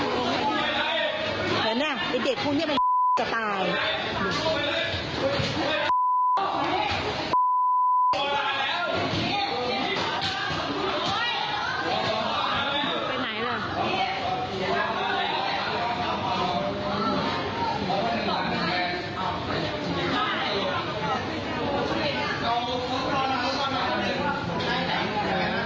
เหมือนเนี่ยไอ้เด็กพวกเนี้ยมันจะต่าง